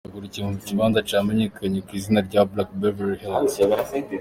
Yakuriye mu kibanza camenyekanye kw'izina rya "Black Beverly Hills".